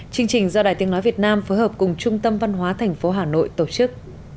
chương trình do đài tiếng nói việt nam phối hợp cùng trung tâm văn hóa thành phố hà nội tổ chức